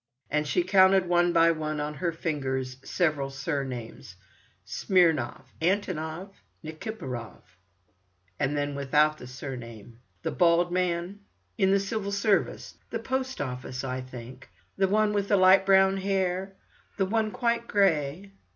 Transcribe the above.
And she counted one by one on her fingers several surnames: "Smirnov, Antonov, Nikiphorov;" and then without the surname: "The bald man, in the civil service, the post office I think; the one with the light brown hair; the one quite grey."